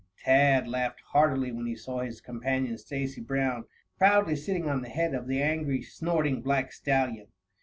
Tad laughed heartily when he saw his companion, Stacy Brown, proudly sitting on the head of the angry, snorting black stallion.